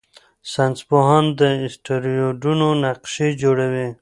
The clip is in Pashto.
ساینسپوهان د اسټروېډونو نقشې جوړوي.